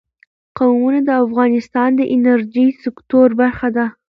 قومونه د افغانستان د انرژۍ سکتور برخه ده.